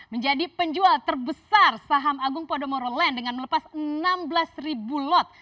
menjadi penjual terbesar saham agung podomoro land dengan melepas enam belas ribu lot